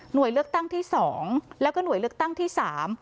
โดยเลือกตั้งที่สองแล้วก็หน่วยเลือกตั้งที่สาม